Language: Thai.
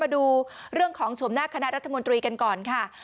ดูเรื่องของสวมหน้าคณะรัฐมนตรีกันก่อนค่ะ